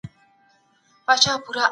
د مسو لوښي څنګه جوړېدل؟